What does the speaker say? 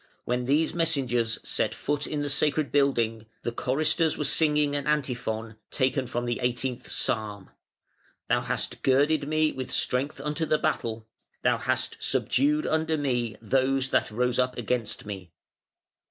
when these messengers set foot in the sacred building, the choristers were singing an antiphon, taken from the 18th Psalm: "Thou hast girded me with strength unto the battle, thou hast subdued under me those that rose up against me".